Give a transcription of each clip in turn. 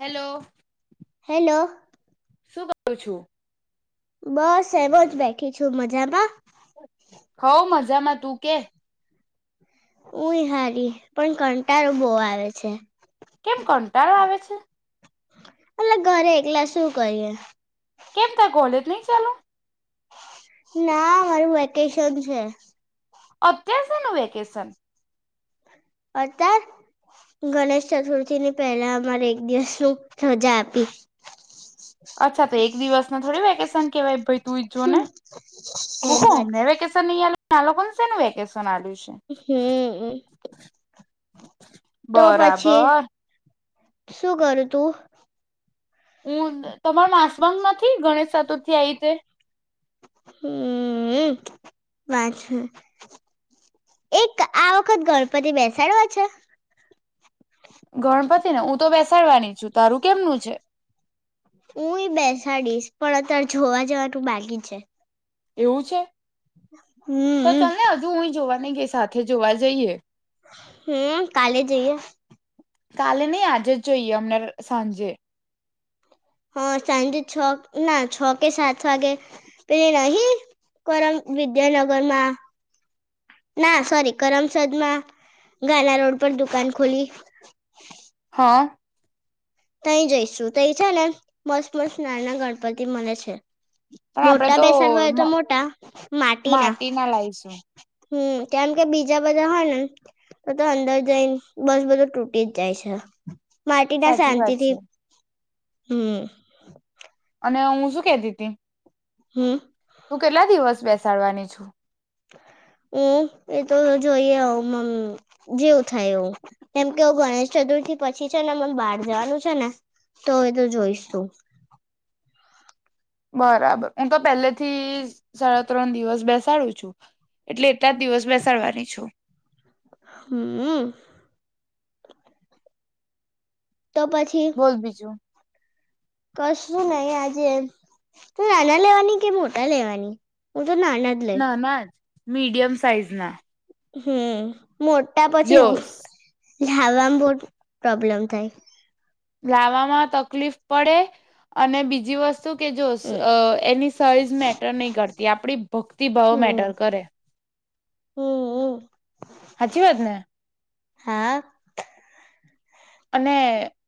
Hello hello સુભ છું બસ એવો જ બેઠી છું મજામાં હો મજા જમાં તું કે ઉય સારી પણ કંટળો બહ આવે છે કેમ કંટાળો આવે છે એટલે ઘરે એકલા શું કરીએ કેમ થાય કોલેજ નહી ચાલો ના મારું વેકેશન છે અત્યશનું વેકેશન અતાર ગણેશ ચતુર્થી ની પહેલા અમારે એક દિવસ ન સજા આપી અચ્છા તો એક દિવસ થોડી ન કહેવાય તું જોને હું કહ અમને વેકેશન નહી આલો છે નું વેકેશન આ્યું હમ તો પછી બરાબર શું કરું તું હું તમાર મા નથી ગણેશ સાતુરથી આ રીતે હમ, વાછ, એક આ વખત ગણપતિ બેસાડવા છે? ગણપતિ ને હું તો બે વસાડવાની છું તારું કેમનું છે? હું એ બેસાડીશ પણ અત્યારે જોવા જવા તો બાકી છે. એવું છે, તો હમ ચલને હજુ હુંય જોવા ન ગસ સાથે જોવા જઈએ. હમ કાલે જઈએ. કાલે નહી આજે જોય અનાર સાંજે. હા સાંજે છ ના છ કે સાત વાગે, પેલી નહી કરમ વિદ્યાનગરમાં, ના સોરી કરમસદ માં ગાના રોડ પર દુકાન ખોલી. હા. તય જઈશું તય છે ને મસત મસ્ત નાના ગણપતિ મળે છે. પણ આપડે મોટા તો બેસાડવાય મ તો મોટા માટી ના. માટીના લાઈશું હમ કેમ કે બીજા બધા હોય ને, તો તો અંદર જઈ બસ બધું તૂટી જ જાય છે. માટીના સન અચ્છા. હમ. અને હું શું કેતી હતી. હમ. તું કેટલા દિવસ બેસાડવાની છું? હ એતો જોઈએ હમ જેવું થાય એવું કેમ કે હ ગણેશ ચતુર્થી પછી છે ને મમ બહાર જવાનું છે ને, તો એ તો જોઈશું. બરાબર હું તો પહેલેથી સાડા ત્રણ દિવસ બેસાડું છું, એટલે એટલા જ દિવસ બેસાડવાની છું. હમ. તો પછી બોલ બીજું. કશું નહી આજે એમ તું નાના લેવાની કે મોટા લેવાની? એ નાના જ લેે. ના ના જ મીડિયમ સાઈઝના. હમ. મોટ્ટા પછી ઉહ લાવામ બોટ પ્રોબ્લેમ થાય. લાવવામાં તકલીફ પડે, અને બીજી વસ્ત તું કે જોશ હમ અ એની સાઈઝ મેટર નહી કરતી આપડી ભક્તિભાવ મેટર કરે. હમ હમ. હાચી વાત ને? હા. અને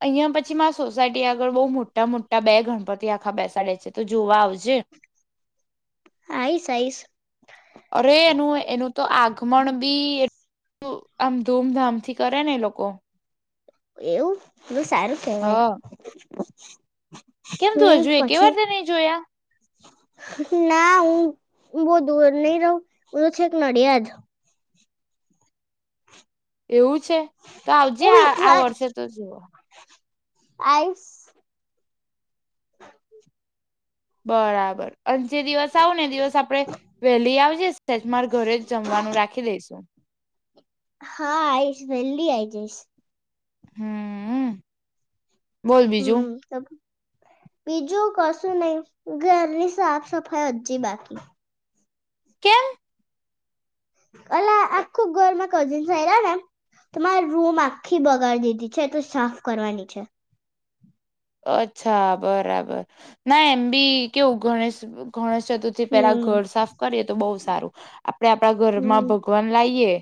અહિયાં પછી મા સોસાયટી આગળ બહુ મોટ્ટા મોટ્ટા બે ગણપતિ આખા બેસાડે છે તો જોવા આવજે. આઈશ આઈશ અરે એનું એનું તો આગમણ બી એ ઉહ, આમ ધૂમધામથી કરે ને એ લોકો. એવું. બઉ સારું કેવાય. હા [unintelligible] કેમ તું હજુએ એકે વાર બી નહી જોયા. હક, ના હું બોવ દૂર નહી રહું, હું છેક નડિયાદ. એવું છે, તો આવજે આ આ વર્ષે તો જોવા. આઈસ. [unintelligible] બરાબર. અન જે દિવસ આવું ને એ દિવસ આપડે વેહલી આવજે તેજ માર ઘરે જ જમવાનું રાખી દેશું. હા, આઈશ વેલ્લી આઈ જઈશ. હમ. બોલ બીજું હમ, તમ કો બીજું કશું નહી, ઘરની સાફ સફાઈ હજજી બાકી. કેમ. અલા આખું ઘરમાં કઝિન [unintelligible] તો મારે રૂમ આખી બગાડી દીધી છે, તો સાફ કરવાની છે. અચ્છા, બરાબર. ના એમ બી કેવું, ગણેશ ગ ગણેશ ચતુર્થી પેલા હમ ઘર સાફ કરીએ, તો બહુ સારું. આપડે આપડા ઘરમાં હમ ભગવાન લાવીએ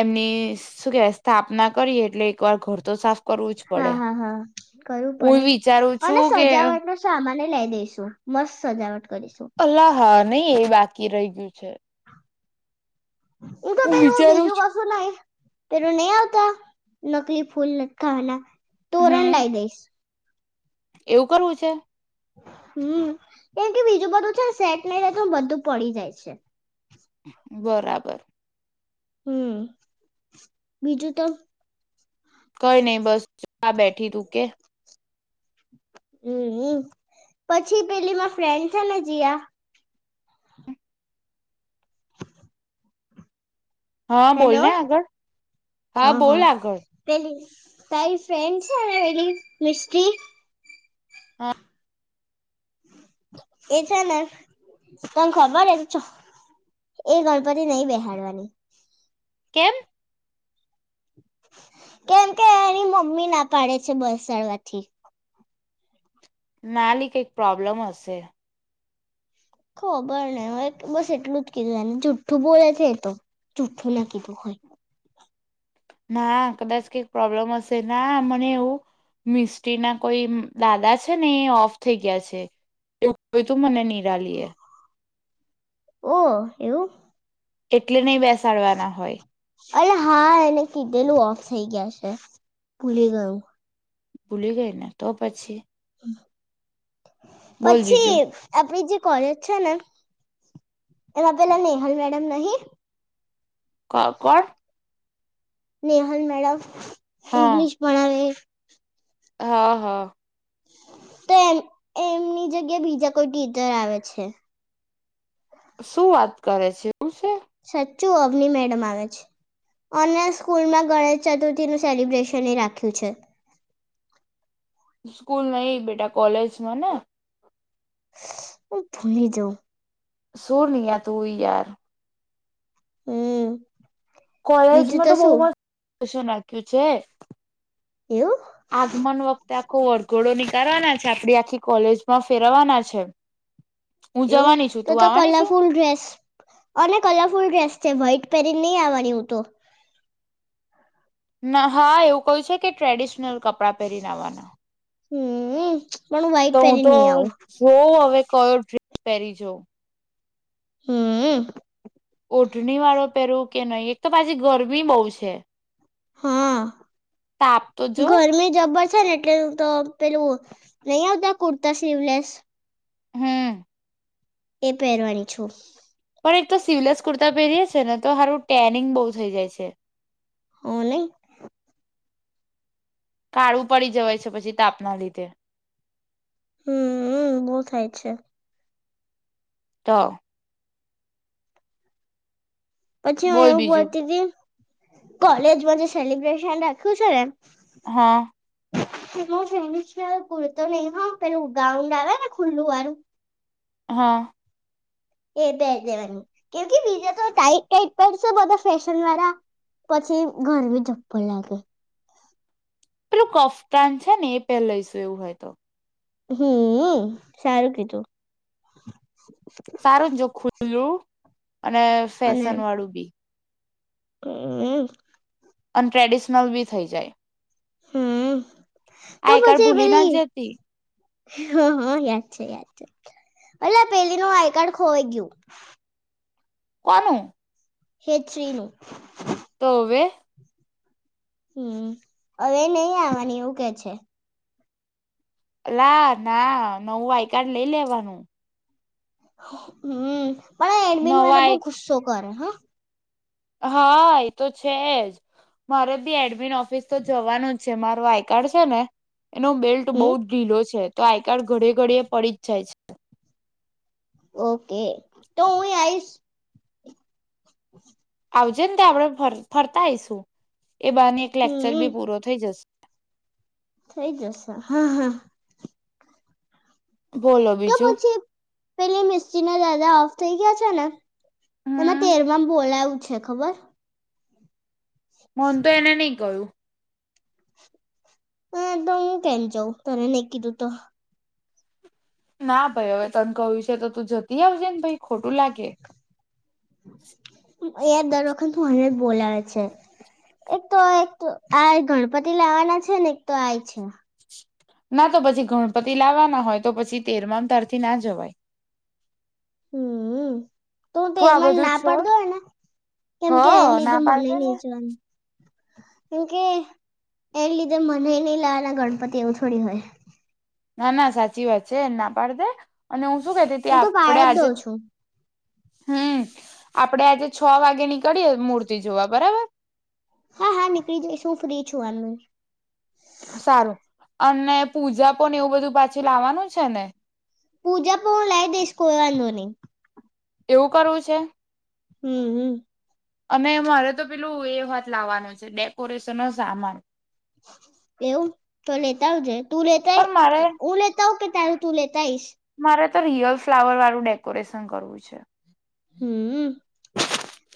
એમની ઈશ શું કેશ સ્થાપના કરીએ એટલે એક વાર ઘર તો સાફ કરવું જ હા પડે હા હા કરું હું પડેને, વિચારું અને છું કે સજાવટનો સામાન એ લાઈ દઈશું. મસ્ત સજાવટ કરીશું. અલ્લા હા, નહી એ બાકી રહી ગ્યું છે. હું તો પેલુ વિચારું બીજું છું કશું નહી પેલું નહી આવતા નકલી ફૂલ લટકાવાના. તોરણ હમ લાઈ દઈશ. એવું કરવું છે. હમ કેમ કે બીજું બધું છેને સેટ નહી રે તો બધું પડી જાય છે. બરાબર. હમ બીજું તો. કઈ નહી બસ આ બેઠી તું કે. હમ પછી પેલી મા ફ્રેન્ડ છે ને જિયા. હા હેલો બોલને આગળ હા બોલ આગળ. પેલી તારી ફ્રેન્ડ છેને પેલી મિસ્ટી. હા. એ છે તને ખબર [inaudible] એ ગણપતિ નઈ બેસાડવાની. કેમ. કેમ કે એની મમ્મી ના પાડે છે બેસાડવાથી. ના ની કઈક પ્રોબ્લમ હશે. ખબર નઈ બસ એટલું જ કીધુંને જુઠું બોલે છે એતો જુઠ્ઠું ના કીધું હોય. ના કદાચ કઈક પ્રોબ્લેમ હશે ના મને એવું મિસ્ટ્રીના કોઈ દાદા છે ને એ ઓફ થઈ ગયા છે એવું કોઈ તું મને નહી [inaudible] ઓ, એવું. એટલે બેસાડવાના હોય. અ હા એને કીધેલું ઓફ થઈ ગયા છે ભૂલી ગયું. ભૂલી ગઈને તો પછી. હ. બોલ પછી બીજું આપડી જે કોલેજ છે ને, એમાં પેલા નેહલ મેડમ નહી. ક કોણ? નેહલ મેડમ. હા ઇંગ્લિશ ભણાવે. હા હા. તો એમ એમની જગ્યા બીજા કોઈ ટીચર આવે છે. શું વાત કરે છે શું છે? સચ્ચું અવનિ મેડમ આવે છે, ઓનલાન સ્કૂલમાં ગણેશ ચતુર્થીનું સેલિબ્રેશન એ રાખ્યું છે. સ્કૂલ નહી બેટા કોલેજમાં ને. હું ભૂલી જાઉ. સૂર નિયા તુંયાર. હમ બીજું કોલેજમાં તો બહુ શું મસ્ શું નાખ્યું છે. એવું આગમન વખતે આખો વરઘોડો ની કરવાના છે આપડી આખી કોલેજ માં ફેરવાના છે. હું એવું, જવાની છું તો તું તો આવવાની છું કલરફુલ ડ્રેસ અને કલરફુલ ડ્રેસ છે, વ્હાઈટ પેરીન ની આવવાની ઉં તો ના હા એવું કયુ છે કે ટ્રેડિશનલ કપડા પહેરીને આવાના. હમ્મ. તો ઉં તો જોઉં અવે કયો ડ્રે પ્હેરી જો હમ્મ. ઓઢણીવાળો પેરુ કે નઈ, એક તો પાછી ગરમી બઉ છે. હા, તાપ તો જો ગરમી જબર છે ને એટલે જ ઉં તો પેલું નઈ આવતા કુર્તા સીવલેસ હમ્મ. એ પેરવાની છું. પણ એક તો સીવલેસ કુર્તા પહેરીએ છે ને તો હારું ટેનિંગ બઉ થઈ જાય છે. હં નઈ કાળું પડી જવાય છે પછી તાપના લીધે હમમ્મ બો થાય છે. તો પછી ઉં બોલ એવું બીજું બોલતી તી કોલેજમાં જે સેલિબ્રેશન રાખ્યું છે ને હં. [unintelligible] કુરતો નઈ હ પેલું ગાઉન્ડ આવે ને ખુલ્લું વારું હં. એ પેર દેવાનું કેમ કે બીજા તો ટાઈટ ટાઈટ પેરસો બધા ફેશન વારા પછી ઘરમી જબ્બર લાગે પેલું કફતાન છે ને એ પેર લઈશું એવું હોય તો હમ્મ, સારું કીધું સારું જ જો ખુલ્લું અને ફેશન વાળું બી હમ્મ. અન ટ્રેડિશનલ બી થઈ જાય હમ્મ. આઈકાર્ડ ભૂલી ના જતી હં, હં યાદ છે, યાદ છે, અલા પેલીનૂં આઈકાર્ડ ખોવાઈ ગયું કોનું? હેચ્વીનું તો અવે? હમ્મ, અવે એ નઈ આવવાની એવું કે છે અલા ના નવું આઈ કાર્ડ લઈ લેવાનું હમ્મ. પણ આ એડમિન નવા વારા બઉ આઈ ઘુસ્સો કરે હં. હા એ તો છેજ મારે ભી એડમિન ઓફિસ તો જવાનું જ છે મારું આઈ કાર્ડ છે ને એનો બેલ્ટ હમ બઉુ જ ઢીલો છે. તો આઈ કાર્ડ ઘડી ઘડીએ પડી જ જાય છે. ઓકે તો હું આઈશ. આવજે ને તો આપડે ફરતા આવીઈશું. એ બાને એક લેક્ચર ભી હમ પૂરો થઈ જશે. થઈ જશે હા હા. બોલો જો બીજું પછી પેલી મસ્તી ના દદા ઓફ થઈ ગયા છે ને. એમાં હમ તેરમાંમા બોલાવુ. છે ખબર. મને તો એને નહી કહ્યું. હા તો હું કેમ જાઉં તને નહી કીધું તો. ના ભાઈ હવે તન કયું છે તો તું જતી આવજે ને. કઈ ખોટું લાગે. ઈયા દર વખત મને જ બોલાવે છે એક તો એક આ ગણપતિ લાવવાના છે ને એક તો આ છે. ના તો પછી ગણપતિ લાવવાના હોય તો પછી તેરમાંમ તારથી ના જવાય. હમ્મ. તું આ તેરમાનું બધું ના પડ છોડ દો અને, હ કેમકે એ ના લીધું પાડ મને દે ને નીચવાનું. કેમકે, એના લીધે મને નહ લના ગણપતિ એવું થોડી હોય. ના ના સાચી વાત છે એ ના પાડી દે, અને હું શું કતી ત હું તો આપડે પાડ આજે દઉં જ છું હમ્મ, આપડે આજે છ વાગે નીકળીએે મૂર્તિ જોવા બરાબર. હા હા નીકળી જઈશ હું ફ્રી છું આનું. સારું, અને પૂજા પણ એવું બધું પાછી લાવવાનું છે ને. પૂજા પો લ દશ કોઈ વાંધો નહી. એવું કરવું છે? હમ્મ હમ્મ. અને મારે તો પેલું એ વાત લાવવાનું છે ડેકોરેશનનો સામાન. એવું, તો લેતા આવજે. તું લેતા પણ મારે ઉ હુ લેતા આઉ કે ત્યાંરે તુલે દઇસ. મારે રિયલ ફ્લાવર વાળું ડેકોરેશન કરવું છે. હમ્મ,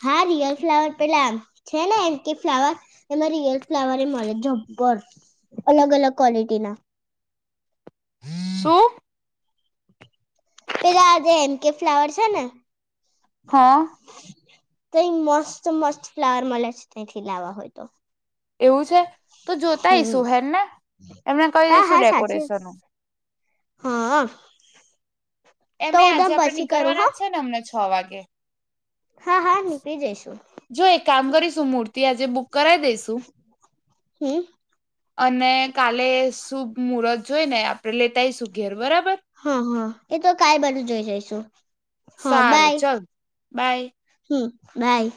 હા રિયલ ફ્લાવર પેલામ છે ને એમ કે ફ્લાવર, એમાં રિયલ ફ્લાવર એ મળે જબર અલગ અલગ ક્વોલિટીના. [inaudible] સુ પેલા આ જે એમકે ફ્લાવર છે ને. હા. તય મસ્ત મસ્ત ફ્લાવર મળે છે તથી લાવવા હોય તો. એવું છે, તો જોતાઈશુ હમ હેનને એમને કહી હા દઈશુ હા સાચે ડેકોરેશન. હા. તો એમે હું આજે તમ આપડે પછી કરું નીકળવાના હા જ છે ને અમના જ. છ વાગે. હા હા નીકળી જઈશું. જો એક કામ કરીશું મૂર્તિ આજે બુક કરાવી દઈશુ. હમ. અને કાલે શુભ મુહૂર્ત જોઈ ને આપડે લેતા આવીઈશું ઘેર બરાબર. હા હા એ તો કઈ બાધું જોઈ જઈશું. હા સારું ચલ બાય. બાઈ.